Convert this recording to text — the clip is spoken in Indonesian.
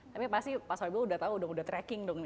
tapi pasti pak soebel sudah tahu sudah tracking dong